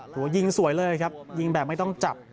โอ้โหยิงสวยเลยครับยิงแบบไม่ต้องจับ